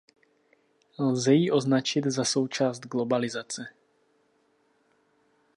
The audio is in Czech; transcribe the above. Lze jí označit za součást globalizace.